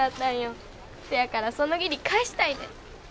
そやからその義理返したいねん。